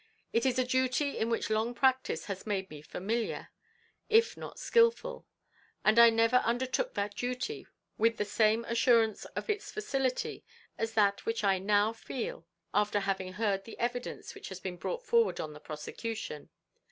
It is a duty in which long practice has made me familiar, if not skilful; and I never undertook that duty with the same assurance of its facility, as that which I now feel, after having heard the evidence which has been brought forward on the prosecution.